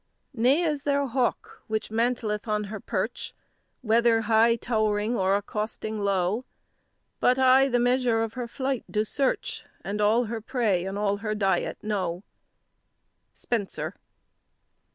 Ne is there hawk which mantleth on her perch, Whether high tow'ring or accousting low, But I the measure of her flight doe search, And all her prey and all her diet know. SPENSER.